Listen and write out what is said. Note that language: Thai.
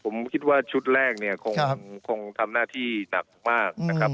ผมคิดว่าชุดแรกเนี่ยคงทำหน้าที่หนักมากนะครับ